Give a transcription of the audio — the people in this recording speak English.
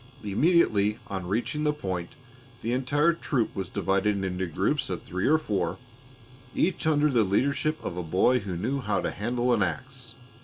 Immediately on reaching the point, the entire troop was divided into groups of three or four, each under the leadership of a boy who knew how to handle an ax.